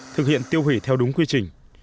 thực hiện tiêu hủy theo đúng quy trình